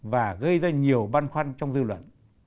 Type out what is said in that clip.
và gây ra nhiều băn khoăn trong dư luận